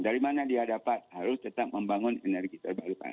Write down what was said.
dari mana dia dapat harus tetap membangun energi terbarukan